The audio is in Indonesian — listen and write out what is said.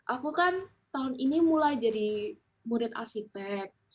aku kan tahun ini mulai jadi murid arsitek